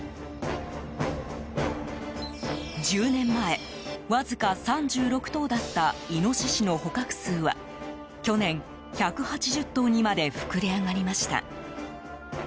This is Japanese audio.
１０年前、わずか３６頭だったイノシシの捕獲数は去年、１８０頭にまで膨れ上がりました。